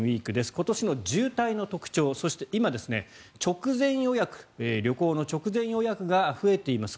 今年の渋滞の特徴そして今旅行の直前予約が増えています。